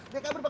dia kabur pak